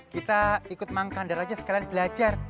kita ikut mang kandar aja sekalian belajar